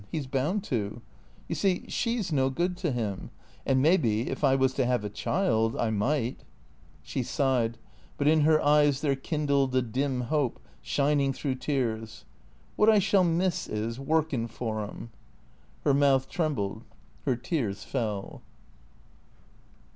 He 's bound to. You see, she 's no good to him. And maybe, if I was to 'ave a child — I might " She sighed, but in her eyes there kindled a dim hope, shining through tears. "Wot I shall miss is — workin' for 'im." Her mouth trembled. Her tears fell.